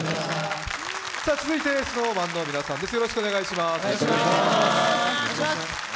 続いてＳｎｏｗＭａｎの皆さんです。